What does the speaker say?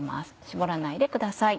絞らないでください。